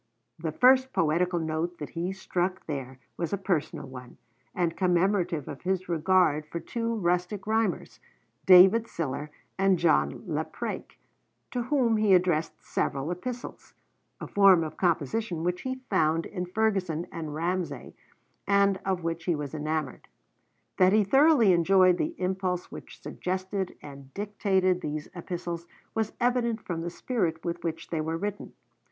The first poetical note that he struck there was a personal one, and commemorative of his regard for two rustic rhymers, David Sillar and John Lapraik, to whom he addressed several Epistles, a form of composition which he found in Ferguson and Ramsay, and of which he was enamored. That he thoroughly enjoyed the impulse which suggested and dictated these Epistles was evident from the spirit with which they were written.